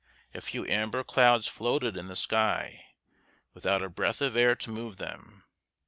A few amber clouds floated in the sky, without a breath of air to move them.